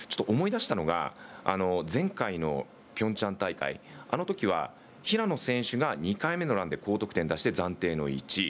思い出したのが前回のピョンチャン大会あのときは平野選手が２回目のランで高得点出して暫定の１位。